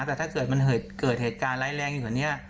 แต่ถ้าเกิดมันเกิดเหตุการณ์ร้ายแรงอยู่กว่านี้